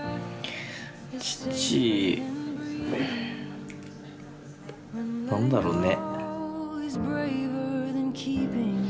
父何だろうね。